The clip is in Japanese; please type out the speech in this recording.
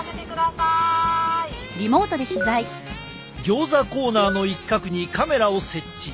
ギョーザコーナーの一角にカメラを設置。